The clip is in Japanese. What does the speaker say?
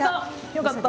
よかった！